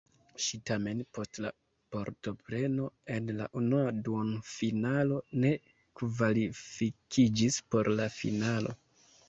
Ŝi tamen post la partopreno en la unua duonfinalo ne kvalifikiĝis por la finalo.